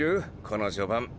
この序盤。